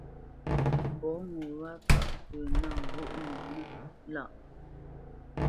Fɔ ŋo wâ ŋkâʼ pə nâ ghóʼnənə́ lâʼ.